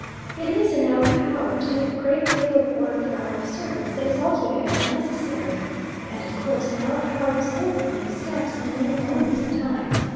It is in our power to make a great deal of work for our servants that is altogether unnecessary and of course, in our power to save them many steps, and many moments of time.